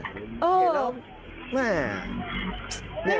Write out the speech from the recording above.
เออเห็นหรือ